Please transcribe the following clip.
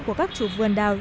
của các chủ vườn đào